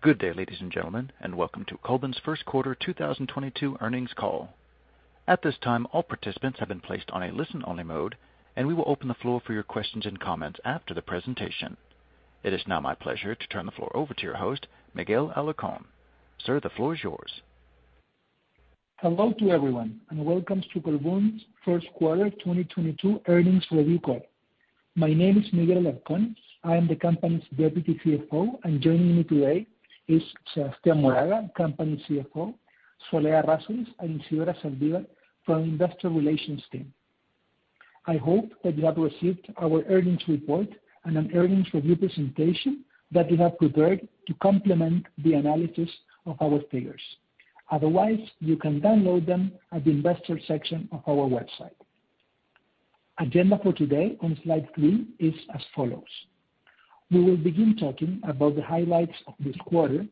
Good day, ladies and gentlemen, and welcome to Colbún's first quarter 2022 earnings call. At this time, all participants have been placed on a listen-only mode, and we will open the floor for your questions and comments after the presentation. It is now my pleasure to turn the floor over to your host, Miguel Alarcón. Sir, the floor is yours. Hello to everyone, and welcome to Colbún's first quarter 2022 earnings review call. My name is Miguel Alarcón. I am the company's deputy CFO, and joining me today is Sebastián Moraga, company CFO, Soledad Errázuriz, and Isidora Zaldívar from investor relations team. I hope that you have received our earnings report and an earnings review presentation that we have prepared to complement the analysis of our figures. Otherwise, you can download them at the investor section of our website. Agenda for today on slide three is as follows. We will begin talking about the highlights of this quarter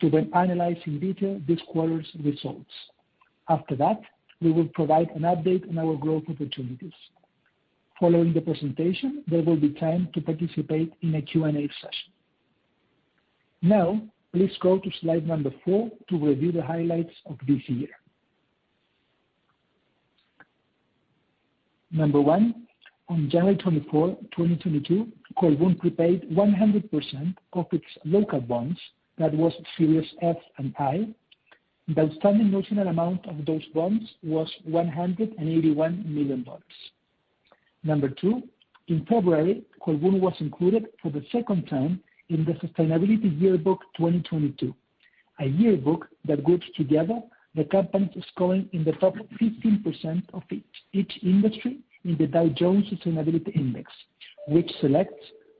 to then analyze in detail this quarter's results. After that, we will provide an update on our growth opportunities. Following the presentation, there will be time to participate in a Q&A session. Now, please go to slide number four to review the highlights of this year. Number one, on January 24, 2022, Colbún prepaid 100% of its local bonds. That was series F and I. The outstanding notional amount of those bonds was $181 million. Number two, in February, Colbún was included for the second time in the Sustainability Yearbook 2022, a yearbook that groups together the companies scoring in the top 15% of each industry in the Dow Jones Sustainability Index, which selects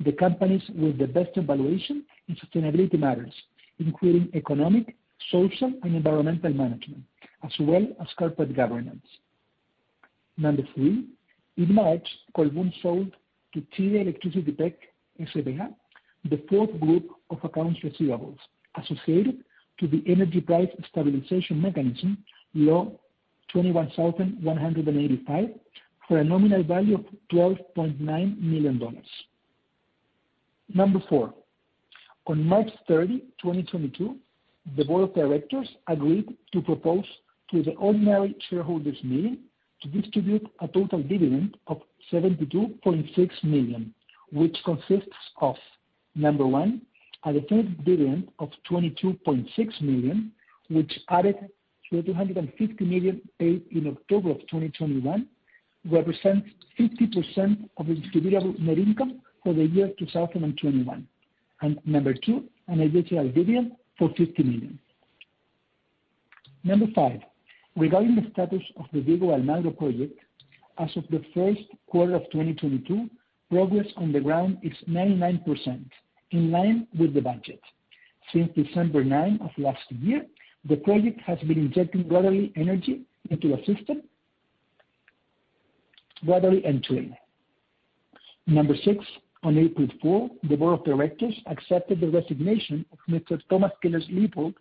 the companies with the best evaluation in sustainability matters, including economic, social, and environmental management, as well as corporate governance. Number three, in March, Colbún sold to Chile Electricity PEC SpA the fourth group of accounts receivables associated to the energy price stabilization mechanism, Law 21,185, for a nominal value of $12.9 million. Number four, on March 30, 2022, the board of directors agreed to propose to the ordinary shareholders meeting to distribute a total dividend of 72.6 million, which consists of, number one, a dividend of 22.6 million, which added to the 250 million paid in October of 2021, represents 50% of the distributable net income for the year 2021. Number two, an additional dividend of 50 million. Number five, regarding the status of the Diego de Almagro project, as of the first quarter of 2022, progress on the ground is 99%, in line with the budget. Since December 9, 2021, the project has been injecting solar energy into the system. Number six, on April 4, the board of directors accepted the resignation of Mr.Thomas Keller Lippold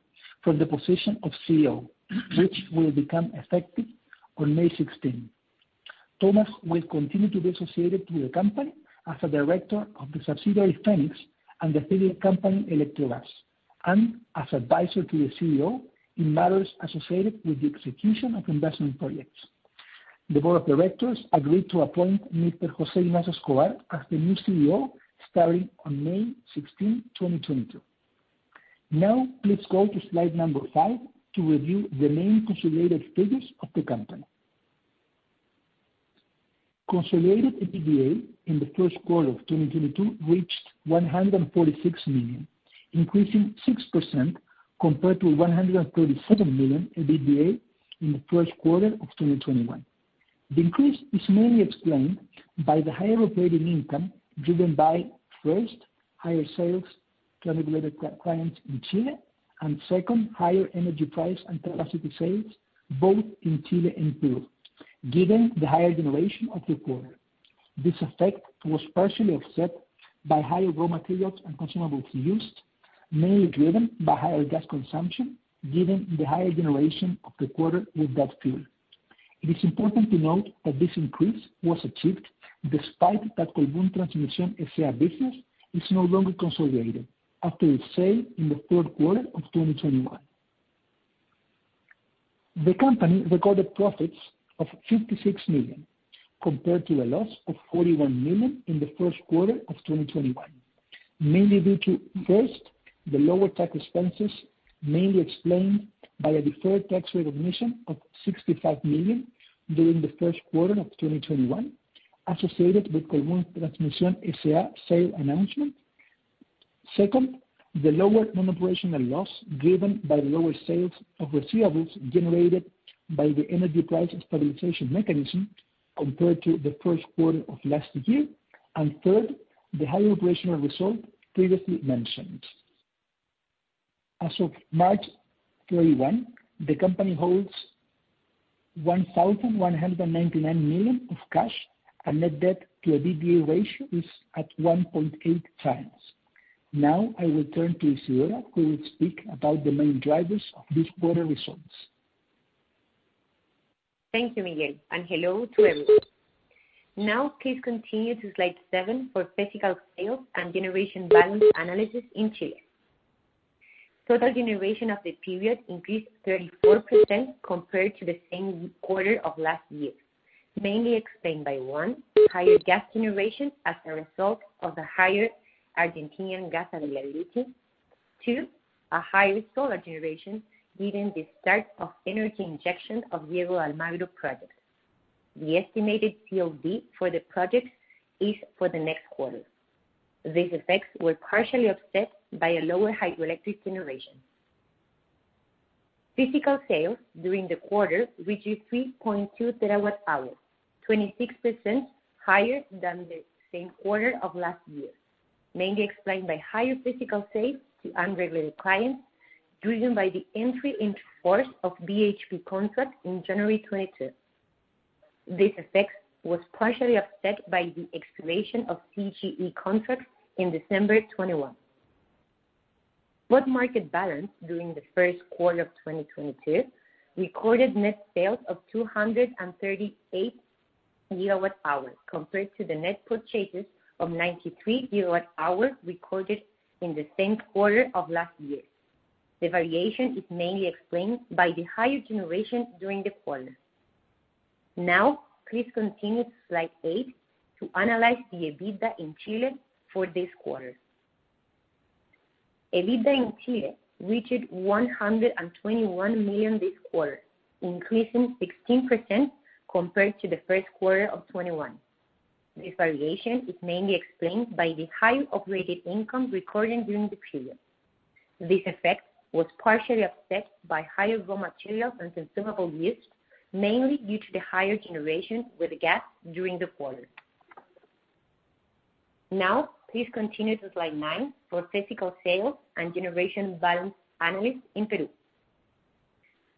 from the position of CEO, which will become effective on May 16. Thomas will continue to be associated to the company as a director of the subsidiary, Fenix Power, and the parent company, Eléctrica Colbún, and as advisor to the CEO in matters associated with the execution of investment projects. The board of directors agreed to appoint Mr. José Ignacio Escobar as the new CEO starting on May 16, 2022. Now, let's go to slide numberfive to review the main consolidated figures of the company. Consolidated EBITDA in the first quarter of 2022 reached $146 million, increasing 6% compared to $137 million EBITDA in the first quarter of 2021. The increase is mainly explained by the higher operating income driven by, first, higher sales to unregulated customers in Chile, and second, higher energy price and capacity sales both in Chile and Peru, given the higher generation of the quarter. This effect was partially offset by higher raw materials and consumables used, mainly driven by higher gas consumption given the higher generation of the quarter with that fuel. It is important to note that this increase was achieved despite that Colbún Transmisión S.A. business is no longer consolidated after its sale in the fourth quarter of 2021. The company recorded profits of 56 million, compared to a loss of 41 million in the first quarter of 2021, mainly due to, first, the lower tax expenses, mainly explained by a deferred tax recognition of 65 million during the first quarter of 2021, associated with Colbún Transmisión S.A. Sale announcement. Second, the lower non-operational loss given by lower sales of receivables generated by the energy price stabilization mechanism compared to the first quarter of last year. Third, the higher operational result previously mentioned. As of March 31, the company holds 1,199 million of cash and net debt to EBITDA ratio is at 1.8x. Now I will turn to Isidora, who will speak about the main drivers of this quarter results. Thank you, Miguel, and hello to everyone. Now please continue to slide seven for physical sales and generation balance analysis in Chile. Total generation of the period increased 34% compared to the same quarter of last year, mainly explained by, one, higher gas generation as a result of the higher Argentine gas availability. Two, a higher solar generation given the start of energy injection of Diego de Almagro project. The estimated COD for the project is for the next quarter. These effects were partially offset by a lower hydroelectric generation. Physical sales during the quarter reached 3.2 TWh, 26% higher than the same quarter of last year, mainly explained by higher physical sales to unregulated clients, driven by the entry into force of BHP contract in January 2022. This effect was partially offset by the expiration of CGE contracts in December 2021. Spot market balance during the first quarter of 2022 recorded net sales of 238 GWh compared to the net purchases of 93 GWh recorded in the same quarter of last year. The variation is mainly explained by the higher generation during the quarter. Now please continue to slide eight to analyze the EBITDA in Chile for this quarter. EBITDA in Chile reached 121 million this quarter, increasing 16% compared to the first quarter of 2021. This variation is mainly explained by the higher operating income recorded during the period. This effect was partially offset by higher raw materials and consumable use, mainly due to the higher generation with the gas during the quarter. Now please continue to slide nine for physical sales and generation balance analysis in Peru.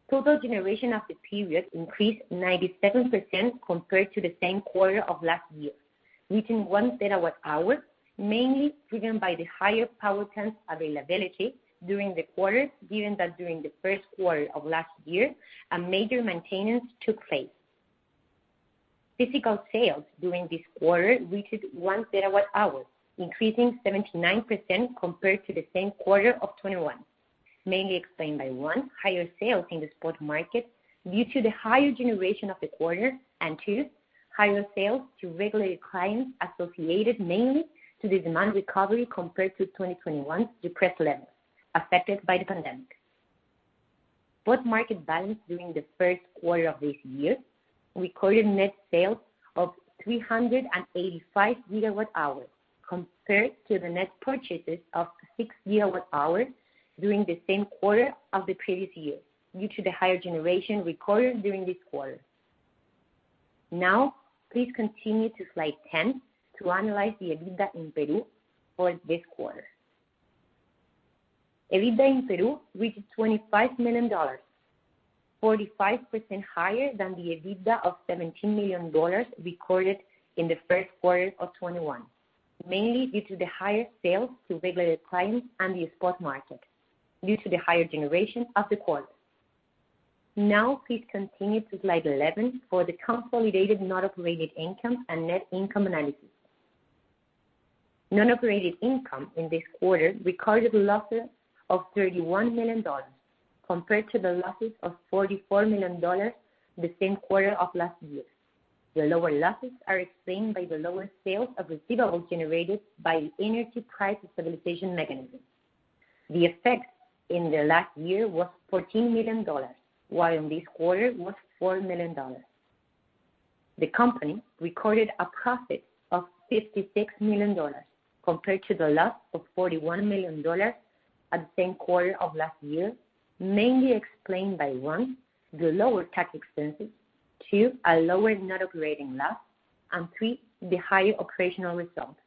Total generation of the period increased 97% compared to the same quarter of last year, reaching 1 TWh, mainly driven by the higher power plants availability during the quarter, given that during the first quarter of last year, a major maintenance took place. Physical sales during this quarter reached 1 TWh, increasing 79% compared to the same quarter of 2021, mainly explained by one, higher sales in the spot market due to the higher generation of the quarter. Two, higher sales to regulated clients associated mainly to the demand recovery compared to 2021 depressed levels affected by the pandemic. Spot market balance during the first quarter of this year recorded net sales of 385 GWh compared to the net purchases of 6 GWh during the same quarter of the previous year, due to the higher generation recorded during this quarter. Now, please continue to slide 10 to analyze the EBITDA in Peru for this quarter. EBITDA in Peru reached $25 million, 45% higher than the EBITDA of $17 million recorded in the first quarter of 2021, mainly due to the higher sales to regulated clients and the spot market due to the higher generation of the quarter. Now please continue to slide 11 for the consolidated non-operated income and net income analysis. Non-operated income in this quarter recorded losses of $31 million, compared to the losses of $44 million the same quarter of last year. The lower losses are explained by the lower sales of receivables generated by the energy price stabilization mechanism. The effect in the last year was $14 million, while in this quarter it was $4 million. The company recorded a profit of $56 million, compared to the loss of $41 million at the same quarter of last year, mainly explained by, one, the lower tax expenses, two, a lower non-operating loss, and three, the higher operational results.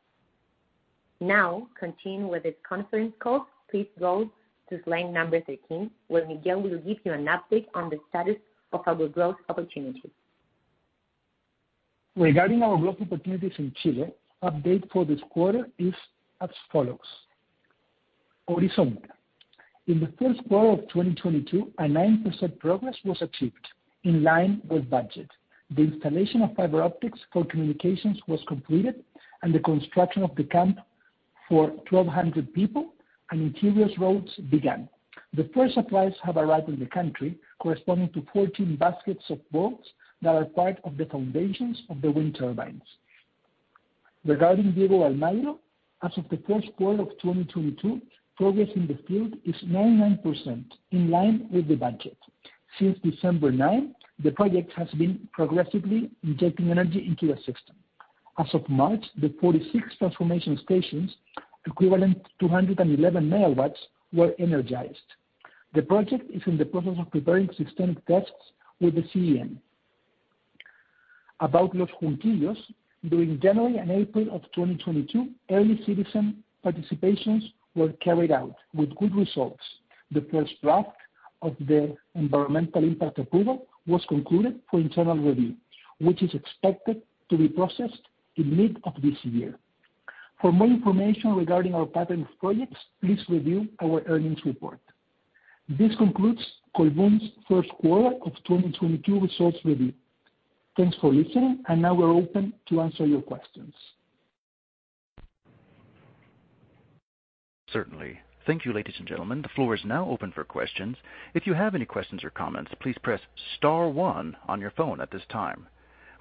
Now continuing with this conference call, please go to slide number 13, where Miguel will give you an update on the status of our growth opportunities. Regarding our growth opportunities in Chile, update for this quarter is as follows: Horizonte. In the first quarter of 2022, a 9% progress was achieved, in line with budget. The installation of fiber optics for communications was completed, and the construction of the camp for 1,200 people and interior roads began. The first supplies have arrived in the country, corresponding to 14 baskets of bolts that are part of the foundations of the wind turbines. Regarding Diego de Almagro, as of the first quarter of 2022, progress in the field is 99%, in line with the budget. Since December 9, the project has been progressively injecting energy into the system. As of March, the 46 transformation stations equivalent to 211 MW were energized. The project is in the process of preparing systemic tests with the CEN. About Junquillos, during January and April of 2022, early citizen participations were carried out with good results. The first draft of the environmental impact approval was concluded for internal review, which is expected to be processed in mid of this year. For more information regarding our pattern of projects, please review our earnings report. This concludes Colbún's first quarter of 2022 results review. Thanks for listening, and now we're open to answer your questions. Certainly. Thank you, ladies and gentlemen, the floor is now open for questions. If you have any questions or comments, please press star one on your phone at this time.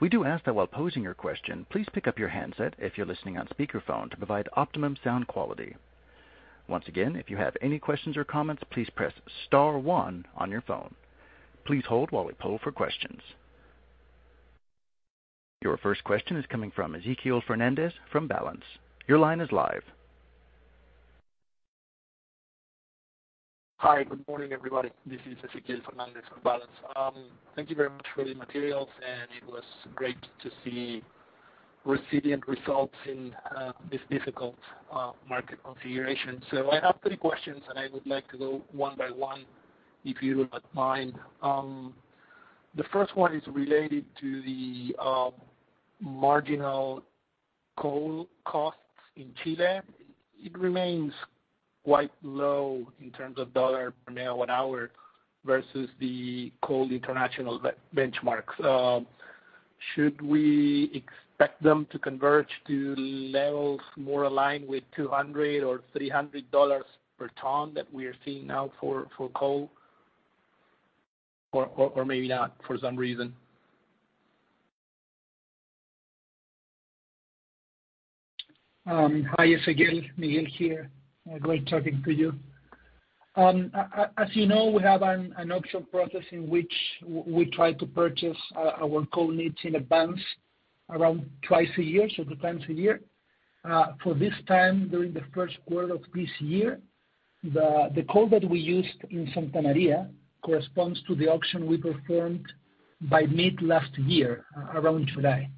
We do ask that while posing your question, please pick up your handset if you're listening on speakerphone to provide optimum sound quality. Once again, if you have any questions or comments, please press star one on your phone. Please hold while we poll for questions. Your first question is coming from Exequiel Fernández from Balanz. Your line is live. Hi. Good morning, everybody. This is Exequiel Fernández from Balanz. Thank you very much for the materials, and it was great to see resilient results in this difficult market configuration. I have three questions, and I would like to go one by one, if you don't mind. The first one is related to the marginal coal costs in Chile. It remains quite low in terms of dollar per megawatt hour versus the coal international benchmark. Should we expect them to converge to levels more aligned with $200 or $300 per ton that we are seeing now for coal, or maybe not for some reason? Hi, Exequiel. Miguel Alarcón here. Great talking to you. As you know, we have an auction process in which we try to purchase our coal needs in advance around twice a year, so two times a year. For this time, during the first quarter of this year, the coal that we used in Santa Maria corresponds to the auction we performed by mid last year, around July.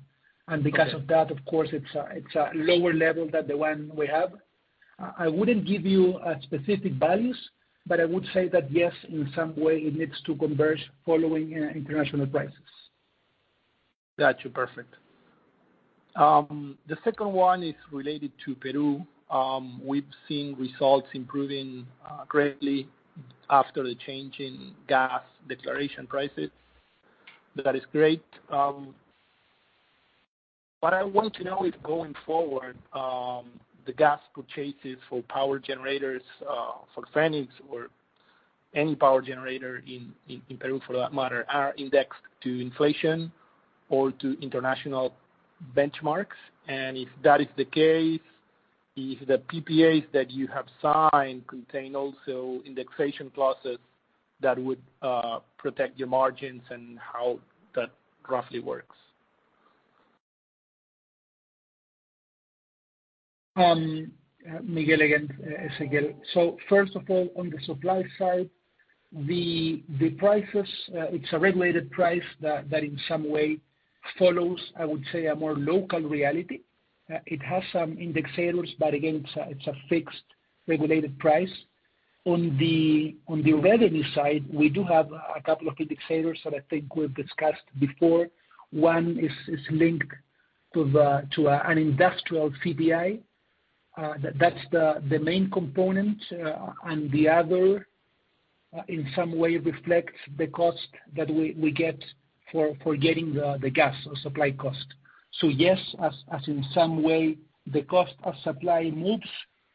Because of that, of course, it's a lower level than the one we have. I wouldn't give you specific values, but I would say that, yes, in some way it needs to converge following international prices. Got you. Perfect. The second one is related to Peru. We've seen results improving greatly after the change in gas declaration prices. That is great. What I want to know is going forward, the gas purchases for power generators, for Fenix or any power generator in Peru for that matter, are indexed to inflation or to international benchmarks. If that is the case, if the PPAs that you have signed contain also indexation clauses that would protect your margins, and how that roughly works. Miguel again. Exequiel, first of all, on the supply side, the prices, it's a regulated price that in some way follows, I would say, a more local reality. It has some indexators, but again, it's a fixed regulated price. On the revenue side, we do have a couple of indexators that I think we've discussed before. One is linked to an industrial CPI. That's the main component. And the other in some way reflects the cost that we get for getting the gas or supply cost. Yes, in some way the cost of supply moves,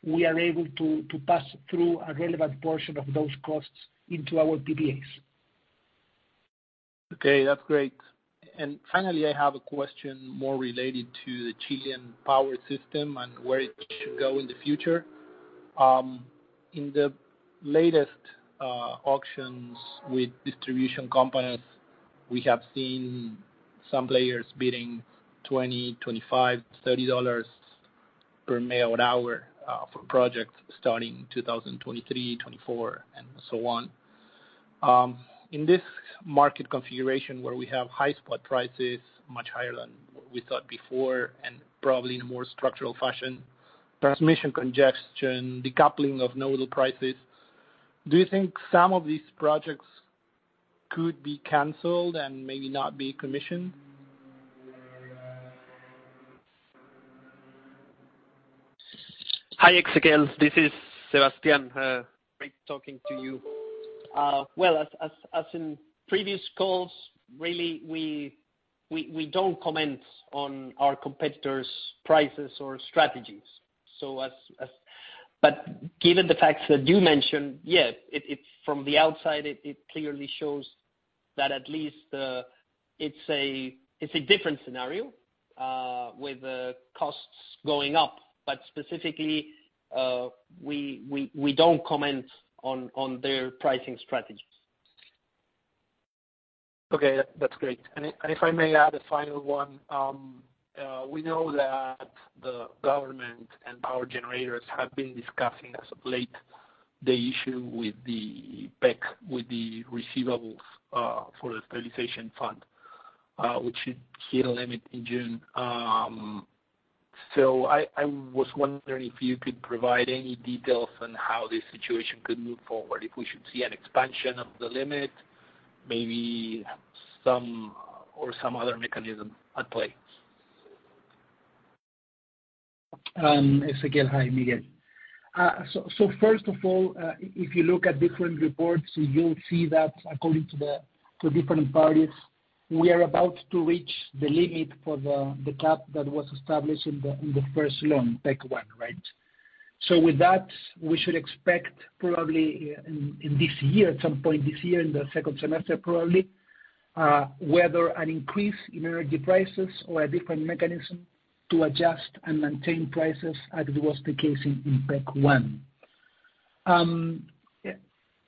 we are able to pass through a relevant portion of those costs into our PPAs. Okay, that's great. Finally, I have a question more related to the Chilean power system and where it should go in the future. In the latest auctions with distribution companies, we have seen some players bidding $20, $25, $30 per megawatt hour for projects starting 2023, 2024 and so on. In this market configuration where we have high spot prices, much higher than what we thought before and probably in a more structural fashion, transmission congestion, decoupling of nodal prices, do you think some of these projects could be canceled and maybe not be commissioned? Hi, Exequiel. This is Sebastián. Great talking to you. Well, as in previous calls, really, we don't comment on our competitors' prices or strategies. Given the facts that you mentioned, yeah, from the outside, it clearly shows that at least, it's a different scenario with costs going up. Specifically, we don't comment on their pricing strategies. Okay. That's great. If I may add a final one. We know that the government and power generators have been discussing as of late the issue with the PEC, with the receivables, for the stabilization fund, which should hit a limit in June. I was wondering if you could provide any details on how this situation could move forward, if we should see an expansion of the limit? Maybe some other mechanism at play. Exequiel. Hi, Miguel. So first of all, if you look at different reports, you'll see that according to different parties, we are about to reach the limit for the cap that was established in the first loan, PEC 1, right? With that, we should expect probably in this year, at some point this year, in the second semester probably, whether an increase in energy prices or a different mechanism to adjust and maintain prices as it was the case in PEC 1.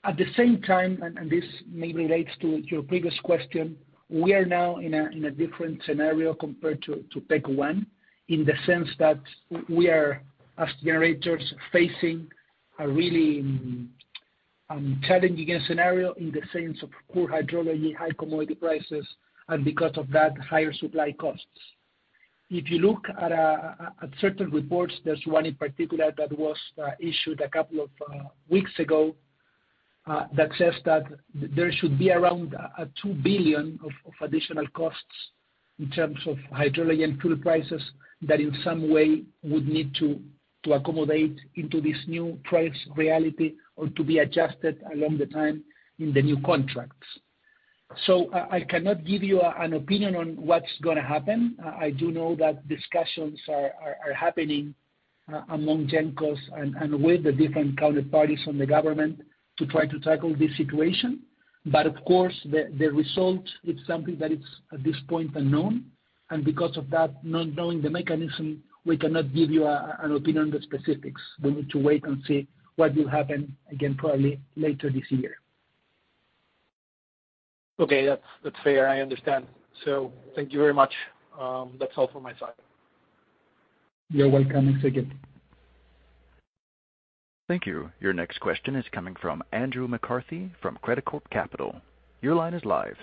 At the same time, this maybe relates to your previous question. We are now in a different scenario compared to PEC 1, in the sense that we are as generators facing a really challenging scenario in the sense of poor hydrology, high commodity prices, and because of that, higher supply costs. If you look at certain reports, there's one in particular that was issued a couple of weeks ago that says that there should be around 2 billion of additional costs in terms of hydrology and fuel prices that in some way would need to accommodate into this new price reality or to be adjusted over time in the new contracts. I cannot give you an opinion on what's gonna happen. I do know that discussions are happening among GenCos and with the different counterparties from the government to try to tackle this situation. Of course, the result is something that it's at this point unknown. Because of that, not knowing the mechanism, we cannot give you an opinion on the specifics. We need to wait and see what will happen, again, probably later this year. Okay. That's fair. I understand. Thank you very much. That's all from my side. You're welcome, Exequiel. Thank you. Your next question is coming from Andrew McCarthy from Credicorp Capital. Your line is live.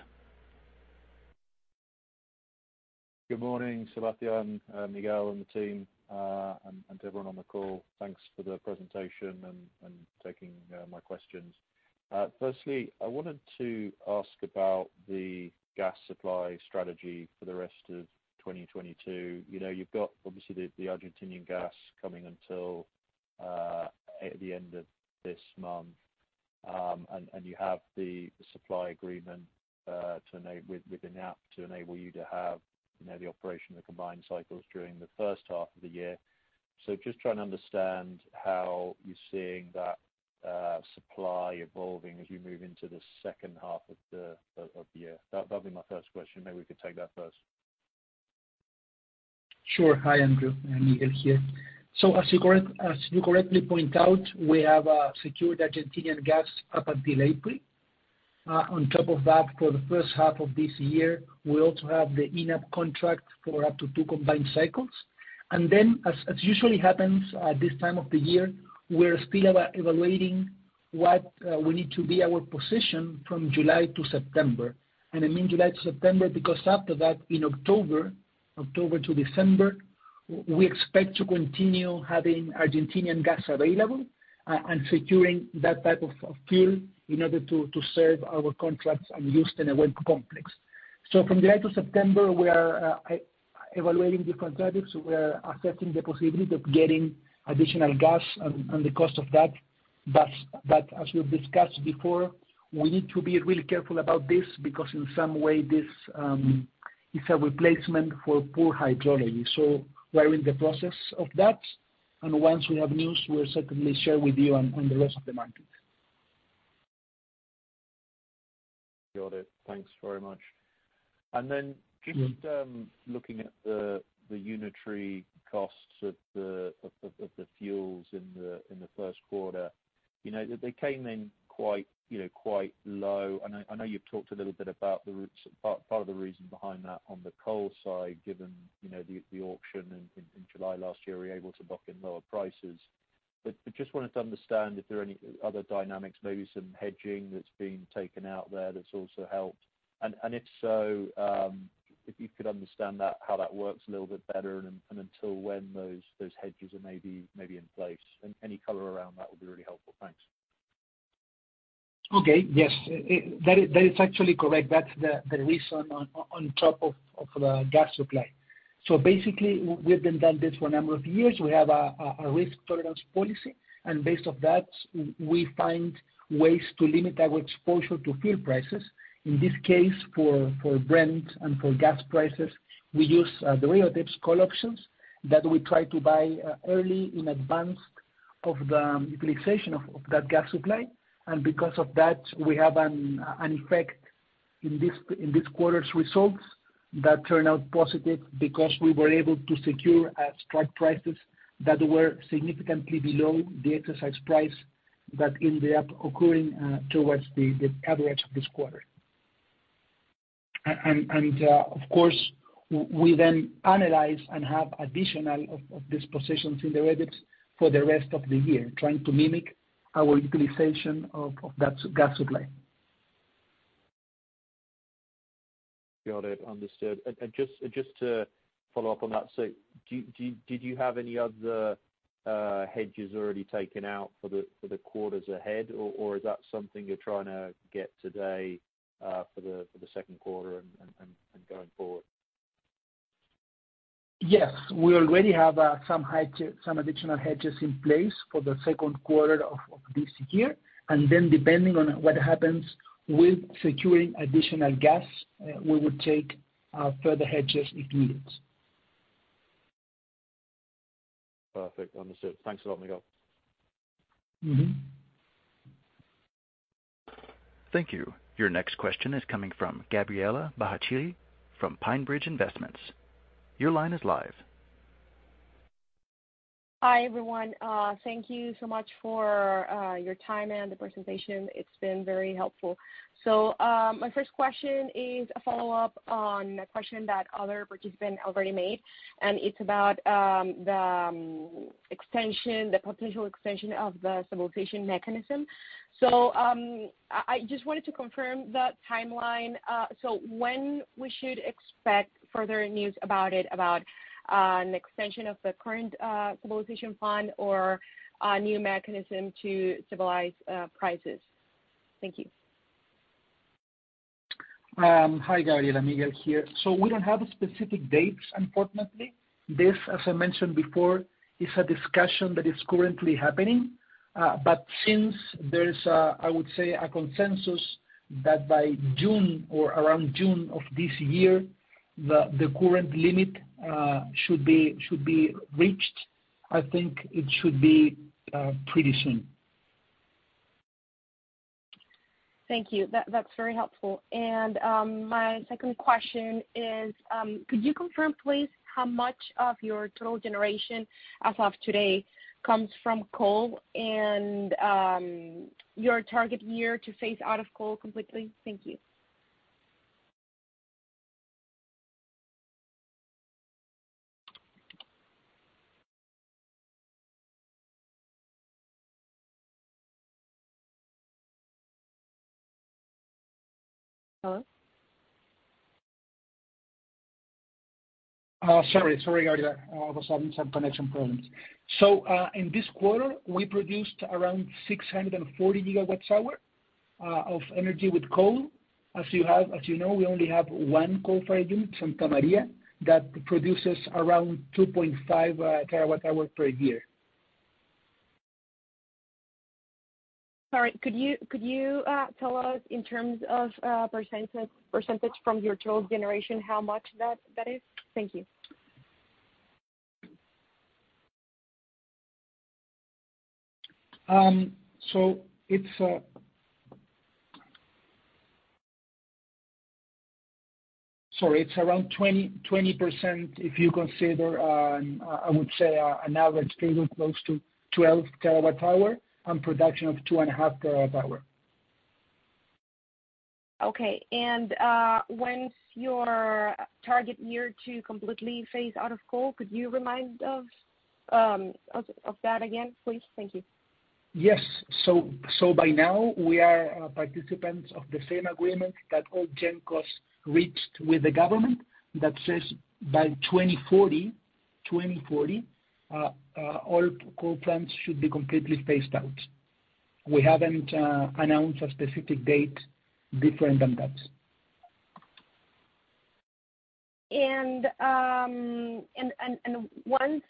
Good morning, Sebastián, Miguel and the team, and everyone on the call. Thanks for the presentation and taking my questions. Firstly, I wanted to ask about the gas supply strategy for the rest of 2022. You know, you've got obviously the Argentinian gas coming until at the end of this month. You have the supply agreement with ENAP to enable you to have, you know, the operation of combined cycles during the first half of the year. Just trying to understand how you're seeing that supply evolving as we move into the second half of the year. That'll be my first question. Maybe we could take that first. Sure. Hi, Andrew. Miguel here. As you correctly point out, we have secured Argentine gas up until April. On top of that, for the first half of this year, we also have the ENAP contract for up to two combined cycles. As usually happens at this time of the year, we're still evaluating what we need to be our position from July to September. I mean July to September, because after that in October to December, we expect to continue having Argentine gas available and securing that type of fuel in order to serve our contracts and use in the Nehuenco complex. From July to September, we are evaluating different strategies. We are assessing the possibility of getting additional gas and the cost of that. As we've discussed before, we need to be really careful about this because in some way this is a replacement for poor hydrology. We're in the process of that. Once we have news, we'll certainly share with you on the rest of the market. Got it. Thanks very much. Then just looking at the unitary costs of the fuels in the first quarter, you know, they came in quite low. I know you've talked a little bit about the part of the reason behind that on the coal side, given you know the auction in July last year, we were able to lock in lower prices. Just wanted to understand if there are any other dynamics, maybe some hedging that's being taken out there that's also helped. If so, if you could understand that, how that works a little bit better and until when those hedges are maybe in place. Any color around that would be really helpful. Thanks. Yes. That is actually correct. That's the reason on top of the gas supply. Basically, we've been doing this for a number of years. We have a risk tolerance policy, and based on that, we find ways to limit our exposure to fuel prices. In this case, for Brent and for gas prices, we use the Brent ICE call options that we try to buy early in advance of the utilization of that gas supply. Because of that, we have an effect in this quarter's results that turn out positive because we were able to secure strike prices that were significantly below the exercise price that end up occurring towards the average of this quarter. Of course, we then analyze and have additional of these positions in the derivatives for the rest of the year, trying to mimic our utilization of that gas supply. Got it. Understood. Just to follow up on that, so did you have any other hedges already taken out for the quarters ahead? Or is that something you're trying to get today for the second quarter and going forward? Yes. We already have some additional hedges in place for the second quarter of this year. Depending on what happens with securing additional gas, we would take further hedges if needed. Perfect. Understood. Thanks a lot, Miguel. Mm-hmm. Thank you. Your next question is coming from Gabriela Bahachille from PineBridge Investments. Your line is live. Hi, everyone. Thank you so much for your time and the presentation. It's been very helpful. My first question is a follow-up on a question that other participant already made, and it's about the potential extension of the stabilization mechanism. I just wanted to confirm the timeline. When we should expect further news about it, about an extension of the current stabilization fund or a new mechanism to stabilize prices? Thank you. Hi, Gabriela. Miguel here. We don't have specific dates, unfortunately. This, as I mentioned before, is a discussion that is currently happening. Since there is a, I would say, a consensus that by June or around June of this year, the current limit should be reached, I think it should be pretty soon. Thank you. That's very helpful. My second question is, could you confirm, please, how much of your total generation as of today comes from coal and your target year to phase out of coal completely? Thank you. Hello? Sorry about that. I was having some connection problems. In this quarter, we produced around 640 GWh of energy with coal. As you know, we only have one coal-fired unit, Santa Maria, that produces around 2.5 TWh per year. Sorry, could you tell us in terms of percentage from your total generation, how much that is? Thank you. Sorry, it's around 20% if you consider, I would say, an average figure close to 12 TWh and production of 2.5 TWh. Okay. When's your target year to completely phase out of coal? Could you remind us of that again, please? Thank you. Yes. By now we are participants of the same agreement that all GenCos reached with the government that says by 2040 all coal plants should be completely phased out. We haven't announced a specific date different than that. Once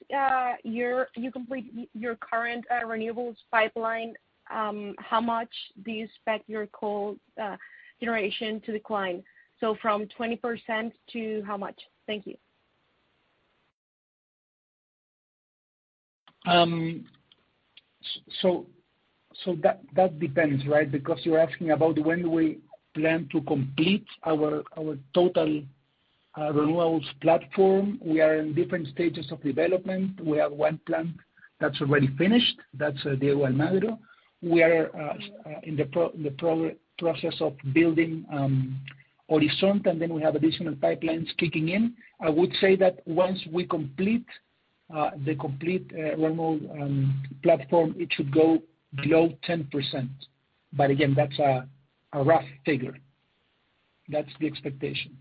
you complete your current renewables pipeline, how much do you expect your coal generation to decline? From 20% to how much? Thank you. That depends, right? Because you're asking about when do we plan to complete our total renewables platform. We are in different stages of development. We have one plant that's already finished. That's the El Madero. We are in the process of building Horizonte, and then we have additional pipelines kicking in. I would say that once we complete the complete renewables platform, it should go below 10%. But again, that's a rough figure. That's the expectation.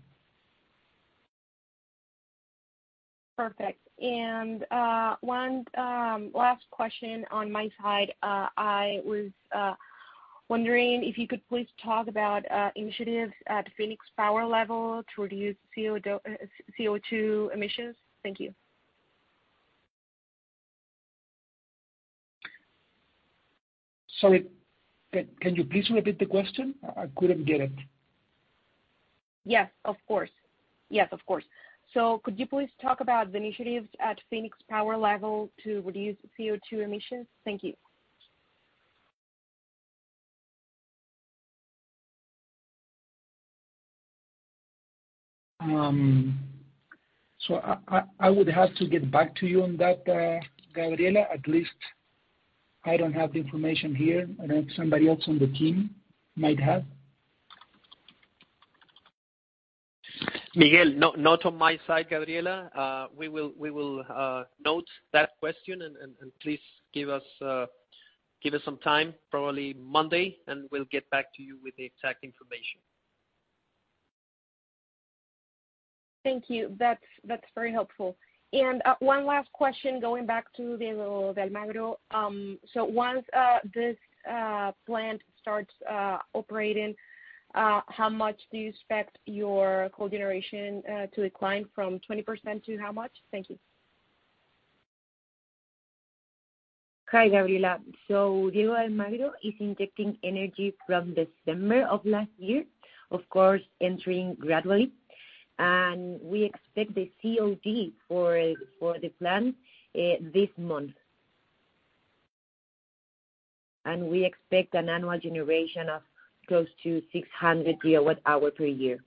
Perfect. One last question on my side. I was wondering if you could please talk about initiatives at Fenix Power level to reduce CO2 emissions. Thank you. Sorry. Can you please repeat the question? I couldn't get it. Yes, of course. Could you please talk about the initiatives at Fenix Power level to reduce CO2 emissions? Thank you. I would have to get back to you on that, Gabriela. At least I don't have the information here. I don't know if somebody else on the team might have. Not on my side, Gabriela. We will note that question and please give us, Give us some time, probably Monday, and we'll get back to you with the exact information. Thank you. That's very helpful. One last question going back to Diego de Almagro. Once this plant starts operating, how much do you expect your coal generation to decline from 20% to how much? Thank you. Hi, Gabriela. Diego de Almagro is injecting energy from December of last year, of course, entering gradually. We expect the COD for the plant this month. We expect an annual generation of close to 600 GWh per year.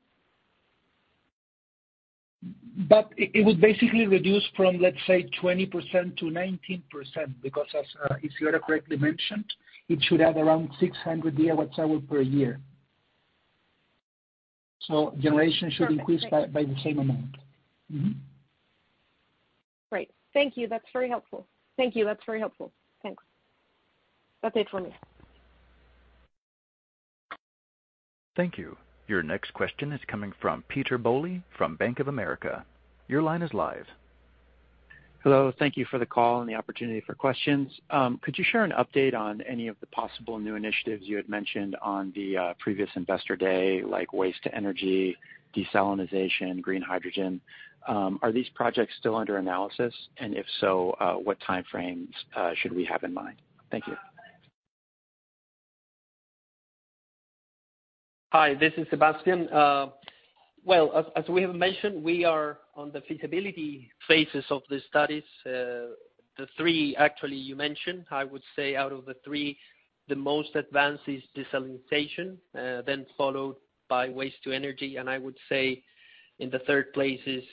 It would basically reduce from, let's say, 20% to 19% because as, Isidora correctly mentioned, it should have around 600 GWh per year. Generation should increase. Perfect. Thanks. By the same amount. Great. Thank you. That's very helpful. Thanks. That's it for me. Thank you. Your next question is coming from Peter Boley from Bank of America. Your line is live. Hello. Thank you for the call and the opportunity for questions. Could you share an update on any of the possible new initiatives you had mentioned on the previous investor day, like waste to energy, desalination, green hydrogen? Are these projects still under analysis? If so, what timeframes should we have in mind? Thank you. Hi, this is Sebastián. As we have mentioned, we are on the feasibility phases of the studies. The three, actually, you mentioned, I would say out of the three, the most advanced is desalinization, then followed by waste to energy, and I would say in the third place is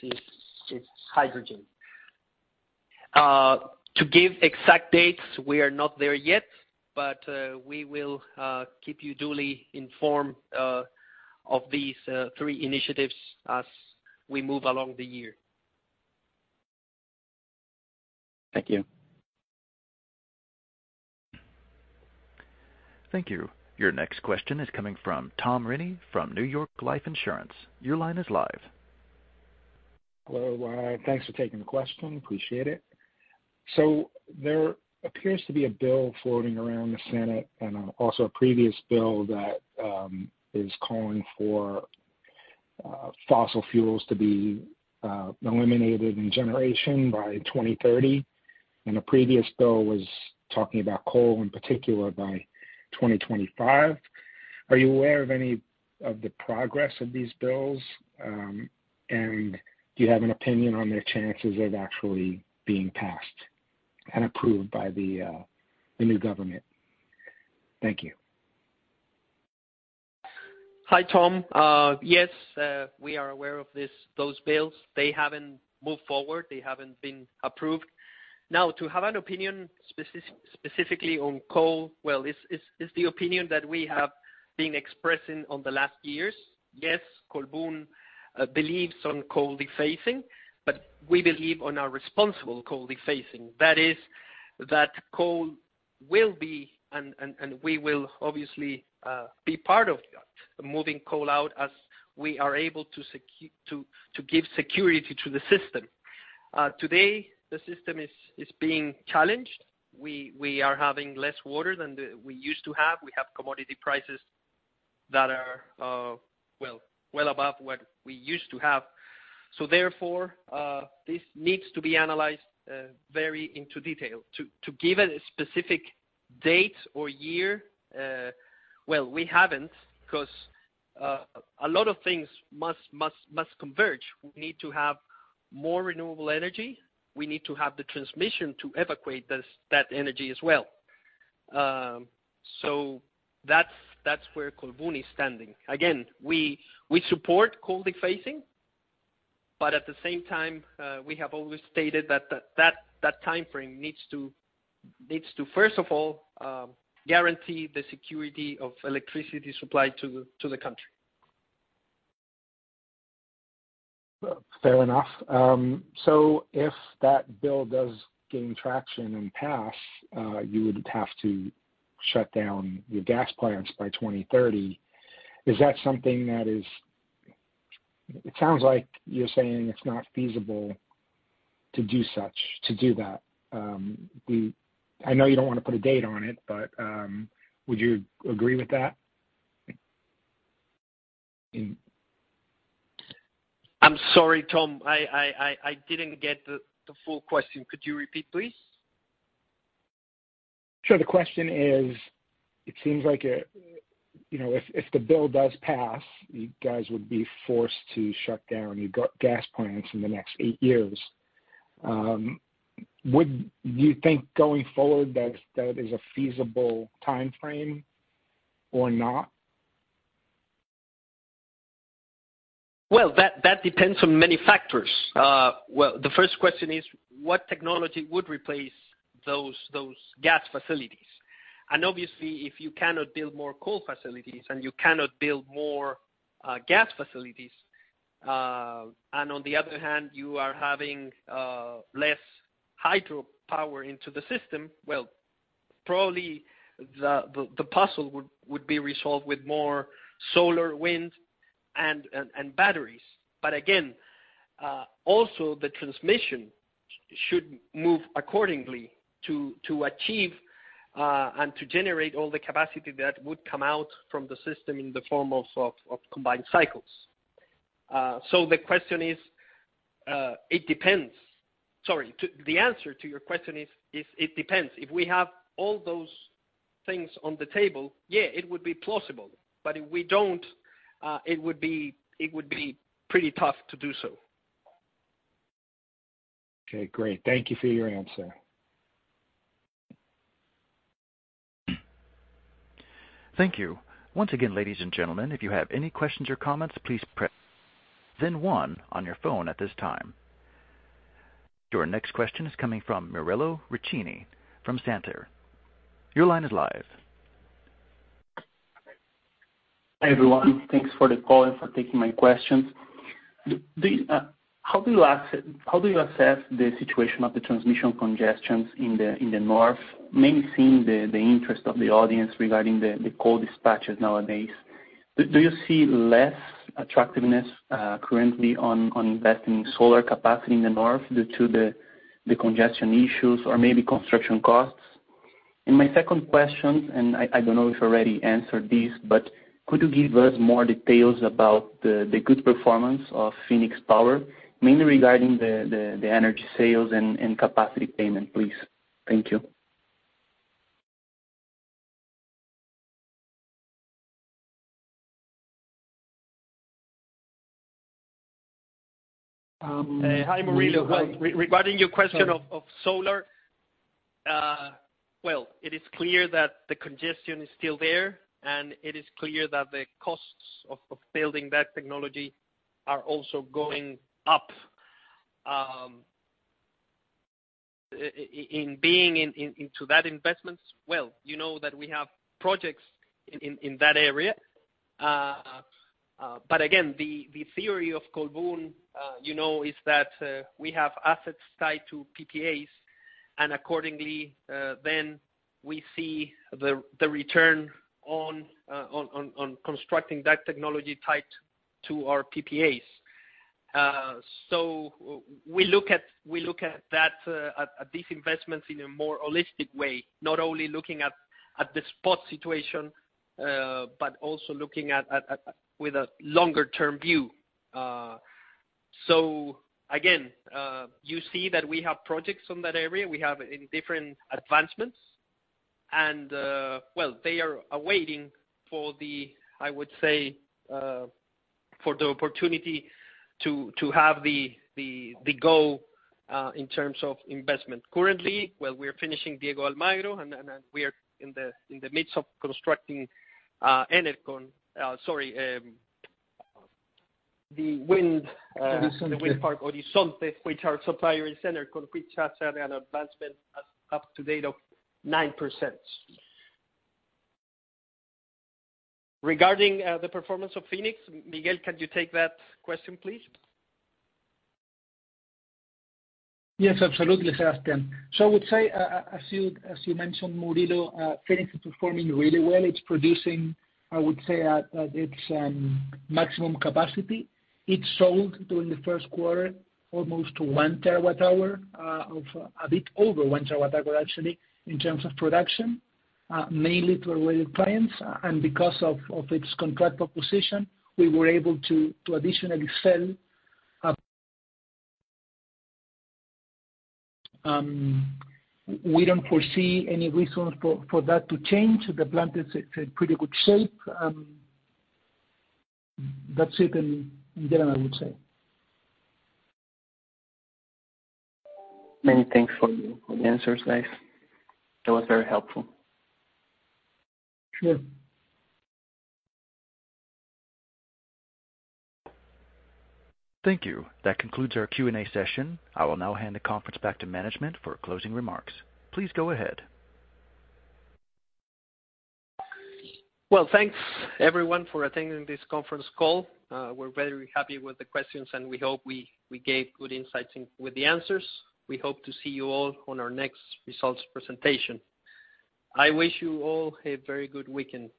hydrogen. To give exact dates, we are not there yet, but we will keep you duly informed of these three initiatives as we move along the year. Thank you. Thank you. Your next question is coming from Tom Rennie from New York Life Insurance. Your line is live. Hello. Thanks for taking the question. Appreciate it. There appears to be a bill floating around the Senate and, also a previous bill that, is calling for, fossil fuels to be, eliminated in generation by 2030. A previous bill was talking about coal, in particular, by 2025. Are you aware of any of the progress of these bills? Do you have an opinion on their chances of actually being passed and approved by the new government? Thank you. Hi, Tom. Yes, we are aware of this, those bills. They haven't moved forward. They haven't been approved. Now, to have an opinion specifically on coal, well, it's the opinion that we have been expressing over the last years. Yes, Colbún believes in coal phasing, but we believe in a responsible coal phasing. That is that coal will be and we will obviously be part of that, moving coal out as we are able to give security to the system. Today, the system is being challenged. We are having less water than we used to have. We have commodity prices that are well above what we used to have. Therefore, this needs to be analyzed very in detail. To give a specific date or year, well, we haven't, 'cause a lot of things must converge. We need to have more renewable energy. We need to have the transmission to evacuate that energy as well. That's where Colbún is standing. Again, we support coal phasing, but at the same time, we have always stated that that timeframe needs to first of all guarantee the security of electricity supply to the country. Fair enough. If that bill does gain traction and pass, you would have to shut down your gas plants by 2030. Is that something that is. It sounds like you're saying it's not feasible to do that. I know you don't wanna put a date on it, but would you agree with that? I'm sorry, Tom. I didn't get the full question. Could you repeat, please? Sure. The question is: It seems like, you know, if the bill does pass, you guys would be forced to shut down your gas plants in the next eight years. Would you think going forward that is a feasible timeframe or not? Well, that depends on many factors. Well, the first question is what technology would replace those gas facilities? Obviously, if you cannot build more coal facilities and you cannot build more gas facilities and on the other hand, you are having less hydropower into the system, well, probably the puzzle would be resolved with more solar, wind and batteries. Again, also the transmission should move accordingly to achieve and to generate all the capacity that would come out from the system in the form of combined cycles. The question is, it depends. Sorry. The answer to your question is it depends. If we have all those things on the table, yeah, it would be plausible, but if we don't, it would be pretty tough to do so. Okay, great. Thank you for your answer. Thank you. Once again, ladies and gentlemen, if you have any questions or comments, please press star one on your phone at this time. Your next question is coming from Murilo Riccini from Santander. Your line is live. Hi, everyone. Thanks for the call and for taking my questions. How do you assess the situation of the transmission congestions in the north, mainly seeing the interest of the audience regarding the coal dispatches nowadays? Do you see less attractiveness currently on investing solar capacity in the north due to the congestion issues or maybe construction costs? My second question, I don't know if you already answered this, but could you give us more details about the good performance of Fenix Power, mainly regarding the energy sales and capacity payment, please? Thank you. Hey, Murilo. Regarding your question of solar, well, it is clear that the congestion is still there, and it is clear that the costs of building that technology are also going up in being into that investment. Well, you know that we have projects in that area. Again, the theory of Colbún, you know, is that we have assets tied to PPAs, and accordingly, then we see the return on constructing that technology tied to our PPAs. We look at that at these investments in a more holistic way, not only looking at the spot situation, but also looking at with a longer-term view. Again, you see that we have projects on that area. We have in different advancements and, they are waiting for the, I would say, for the opportunity to have the go, in terms of investment. Currently, we are finishing Diego de Almagro, and we are in the midst of constructing ENERCON. Sorry, the wind Horizonte. The wind park Horizonte, which is supplied by ENERCON, which has had an advancement up to date of 9%. Regarding the performance of Fenix, Miguel, can you take that question, please? Yes, absolutely, Sebastián. I would say, as you mentioned, Murilo, Fenix is performing really well. It's producing, I would say, at its maximum capacity. It sold during the first quarter almost 1 TWh, of a bit over 1 TWh actually in terms of production, mainly to our clients. Because of its contractual position, we were able to additionally sell. We don't foresee any reason for that to change. The plant is in pretty good shape. That's it in general, I would say. Many thanks for the answers, guys. That was very helpful. Sure. Thank you. That concludes our Q&A session. I will now hand the conference back to management for closing remarks. Please go ahead. Well, thanks everyone for attending this conference call. We're very happy with the questions, and we hope we gave good insights into the answers. We hope to see you all on our next results presentation. I wish you all a very good weekend.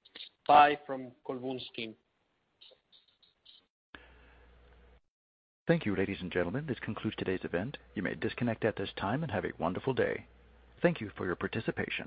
Bye from Colbún's team. Thank you, ladies and gentlemen. This concludes today's event. You may disconnect at this time and have a wonderful day. Thank you for your participation.